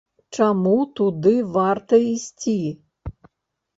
Чаму туды варта ісці?